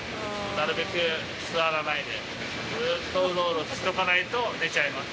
なるべく座らないで、ずっとうろうろしとかないと寝ちゃいます。